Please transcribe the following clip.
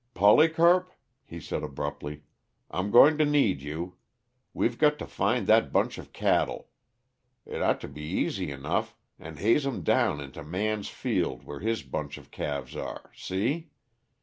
"Polycarp," he said abruptly, "I'm going to need you. We've got to find that bunch of cattle it ought to be easy enough, and haze 'em down into Man's field where his bunch of calves are see?